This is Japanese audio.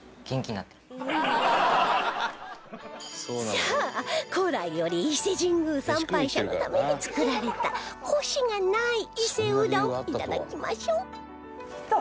さあ古来より伊勢神宮参拝者のために作られたコシがない伊勢うどん頂きましょう来た！